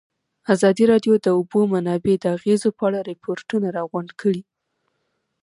ازادي راډیو د د اوبو منابع د اغېزو په اړه ریپوټونه راغونډ کړي.